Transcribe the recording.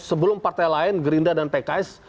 sebelum partai lain gerindra dan pks